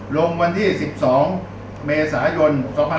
ลงวันที่๑๒เมษายน๒๕๖๒